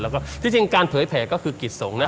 แล้วก็ที่จริงการเผยแผ่ก็คือกิจสงฆ์นะ